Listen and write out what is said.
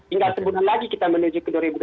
tinggal sebulan lagi kita menuju ke dua ribu dua puluh